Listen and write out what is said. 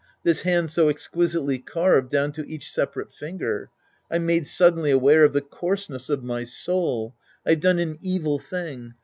This hand so exquisitely carved down to each separate finger. I'm made'suddenly aware of the coarseness of my soul. I've done an evil thing.